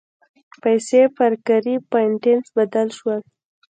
پیسې پر کاري پاینټس بدل شول.